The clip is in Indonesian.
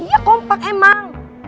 iya kompak emang